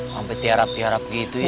sampai tiarap tiarap gitu ya